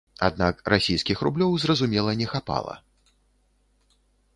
Аднак расійскіх рублёў, зразумела не хапала.